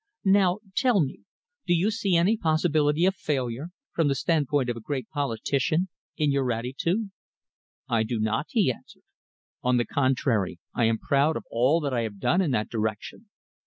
Now tell me, do you see any possibility of failure, from the standpoint of a great politician, in your attitude?" "I do not," he answered. "On the contrary, I am proud of all that I have done in that direction.